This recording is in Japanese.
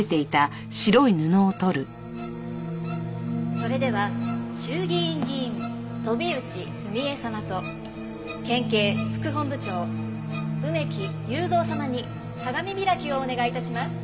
それでは衆議院議員飛内文枝様と県警副本部長梅木悠三様に鏡開きをお願い致します。